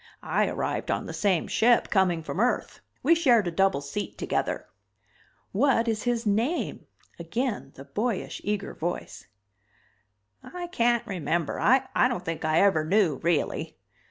I arrived on the same ship, coming from Earth, we shared a double seat together." "What is his name?" Again the boyish, eager voice. "I can't remember. I don't think I ever knew, really."